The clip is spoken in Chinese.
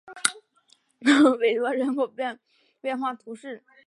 韦罗人口变化图示